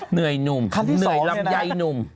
เหนื่อยนุ่มเหนื่อยลำไยนุ่มคำที่๒นี่แหละ